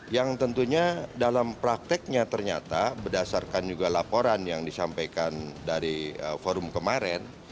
yang tentunya dalam prakteknya ternyata berdasarkan juga laporan yang disampaikan dari forum kemarin